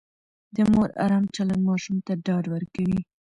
د مور ارام چلند ماشوم ته ډاډ ورکوي.